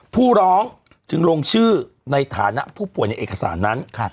ผู้ร้องจึงลงชื่อในฐานะผู้ป่วยในเอกสารนั้น